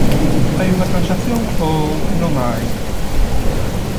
¿Hai unha transacción ou non a hai?